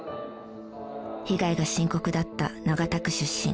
被害が深刻だった長田区出身。